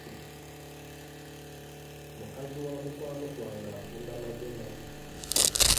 Mukazi wa mukwano gwange atunda magi ennaku zino.